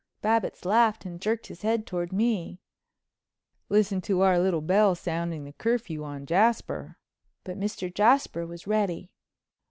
Babbitts laughed and jerked his head toward me. "Listen to our little belle sounding the curfew on Jasper." But Mr. Jasper was ready.